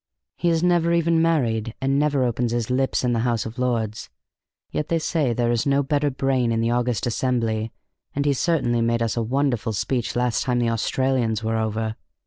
He has never even married, and never opened his lips in the House of Lords. Yet they say there is no better brain in the August assembly, and he certainly made us a wonderful speech last time the Australians were over.